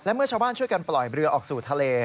เมื่อชาวบ้านช่วยกันปล่อยเรือออกสู่ทะเล